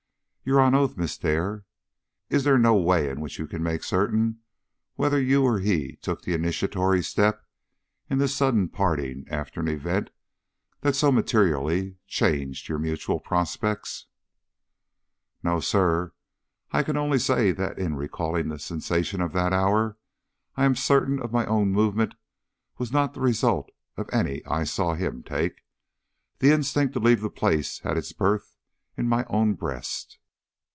"You are on oath, Miss Dare? Is there no way in which you can make certain whether he or you took the initiatory step in this sudden parting after an event that so materially changed your mutual prospects?" "No, sir. I can only say that in recalling the sensations of that hour, I am certain my own movement was not the result of any I saw him take. The instinct to leave the place had its birth in my own breast."